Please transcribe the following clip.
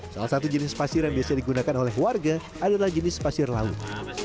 salah satu jenis pasir yang biasa digunakan oleh warga adalah jenis pasir laut